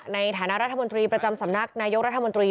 ในฐานะรัฐมนตรีประจำสำนักนายกรัฐมนตรี